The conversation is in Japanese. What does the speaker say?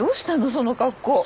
その格好。